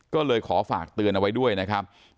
ก็เลยขอฝากเตือนเอาไว้ด้วยนะครับ